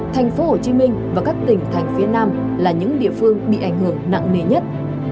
thành phố hồ chí minh và các tỉnh thành phía nam là những địa phương bị ảnh hưởng nặng nề nhất